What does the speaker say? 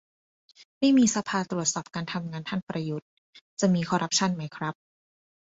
ไม่มีสภาตรวจสอบการทำงานท่านประยุทธ์ จะมีคอรัปชั่นไหมครับ